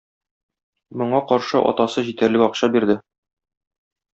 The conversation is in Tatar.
Моңа каршы атасы җитәрлек акча бирде.